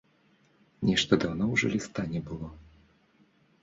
Нешта даўно ўжо ліста не было.